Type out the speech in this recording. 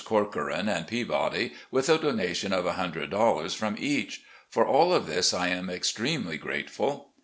Corcoran and Peabody with a donation of $100 from each. For all of this I am extremely grateful.